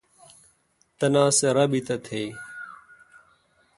تناسہ رابط تھیں ۔